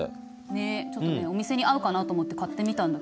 ねっちょっとねお店に合うかなと思って買ってみたんだけど。